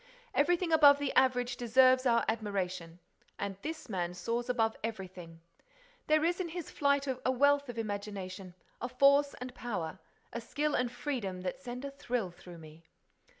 Everything above the average deserves our admiration. And this man soars above everything. There is in his flight a wealth of imagination, a force and power, a skill and freedom that send a thrill through me!"